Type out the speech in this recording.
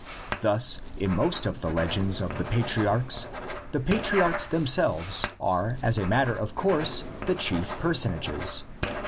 Thus in most of the legends of the patriarchs the patriarchs themselves are as a matter of course the chief personages.